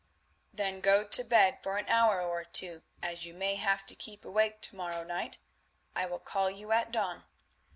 "Then go to bed for an hour or two, as you may have to keep awake to morrow night; I will call you at dawn.